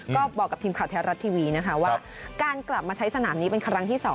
ก็บอกกับทีมข่าวแท้รัฐทีวีนะคะว่าการกลับมาใช้สนามนี้เป็นครั้งที่๒